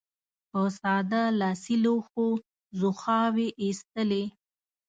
په ساده لاسي لوښو ځوښاوې اېستلې.